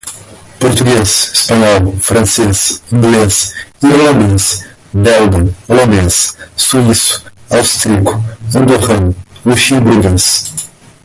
Português, Espanhol, Francês, Inglês, Irlandês, Belga, Holandês, Suíço, Austríaco, Andorrano, Luxemburguês.